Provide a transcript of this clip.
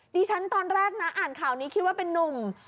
ดิฉันตอนแรกนะอ่านข่าวนี้คิดว่าเป็นนุ่ม